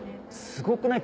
すごくない？